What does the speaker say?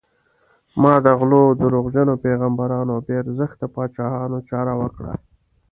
ما د غلو، دروغجنو پیغمبرانو او بې ارزښته پاچاهانو چاره وکړه.